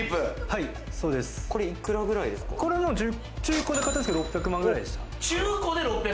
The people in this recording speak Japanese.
これは中古で買ったんですけど、６００万くらいでした。